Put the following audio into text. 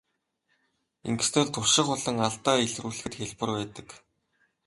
Ингэснээр турших болон алдаа илрүүлэхэд хялбар байдаг.